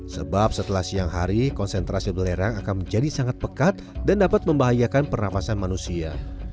sebab setelah siang hari konsentrasi belerang akan menjadi sangat pekat dan dapat membahayakan pernafasan manusia